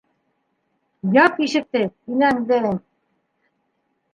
- Яп ишекте, инәңдең...